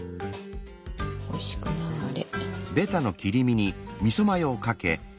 おいしくなれ。